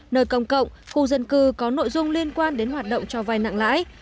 nơi công cộng khu dân cư có nội dung liên quan đến hoạt động cho vai nặng lãi